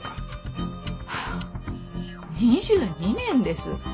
フッ２２年です。